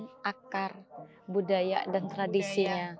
ini adalah akar budaya dan tradisinya